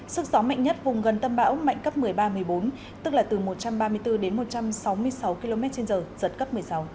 sức gió mạnh nhất vùng gần tâm bão mạnh cấp một mươi ba một mươi bốn tức là từ một trăm ba mươi bốn đến một trăm sáu mươi sáu km trên giờ giật cấp một mươi sáu